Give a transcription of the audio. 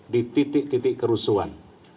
di titik titik kerusuhan